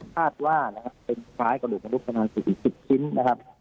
คาดว่านะครับเป็นภายกระดูกมนุษย์สองชิ้นนะครับ